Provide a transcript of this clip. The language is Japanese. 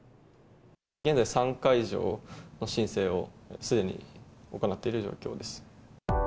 現在、３会場の申請をすでに行っている状況です。